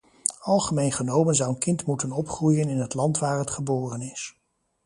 Algemeen genomen zou een kind moeten opgroeien in het land waar het geboren is.